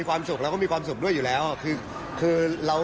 แอ้พี่อุธอยู่ไหนคะ